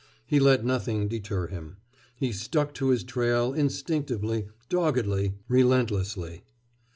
He let nothing deter him. He stuck to his trail, instinctively, doggedly, relentlessly.